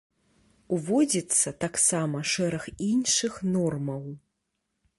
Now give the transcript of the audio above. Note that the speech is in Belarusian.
Уводзіцца таксама шэраг іншых нормаў.